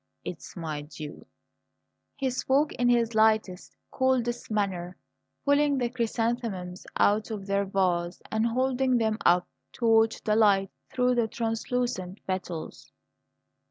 It's my due!" He spoke in his lightest, coldest manner, pulling the chrysanthemums out of their vase and holding them up to watch the light through the translucent petals.